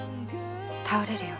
倒れるよ。